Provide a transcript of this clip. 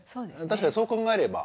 確かにそう考えれば。